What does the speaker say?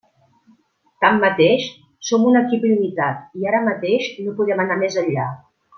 Tanmateix, som un equip limitat i ara mateix no podem anar més enllà.